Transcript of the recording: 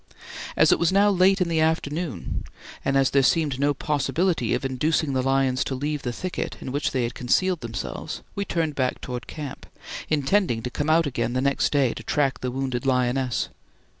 As it was now late in the afternoon, and as there seemed no possibility of inducing the lions to leave the thicket in which they had concealed themselves, we turned back towards camp, intending to come out again the next day to track the wounded lioness.